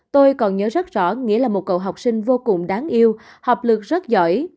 tôi còn nhớ rất rõ nghĩa là một cậu học sinh vô cùng đáng yêu học lực rất giỏi